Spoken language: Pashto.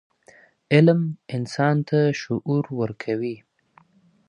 علم انسان ته شعور ورکوي.